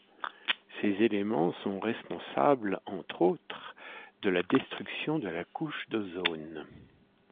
Ces éléments sont responsables, entre autres, de la destruction de la couche d'ozone.